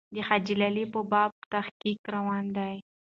د حاجي لالي په باب تحقیق روان دی.